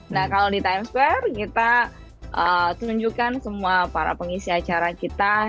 nah kalau di times square kita tunjukkan semua para pengisi acara kita